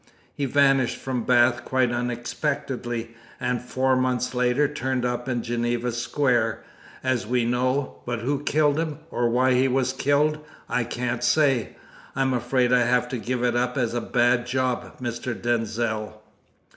He vanished from Bath quite unexpectedly, and four months later turned up in Geneva Square, as we know, but who killed him, or why he was killed, I can't say. I'm afraid I'll have to give it up as a bad job, Mr. Denzil."